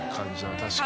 確かに。